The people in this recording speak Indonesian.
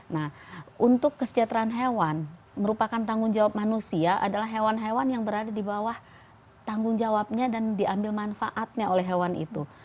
nah untuk kesejahteraan hewan merupakan tanggung jawab manusia adalah hewan hewan yang berada di bawah tanggung jawabnya dan diambil manfaatnya oleh hewan itu